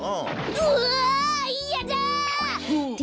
うわいやだ！って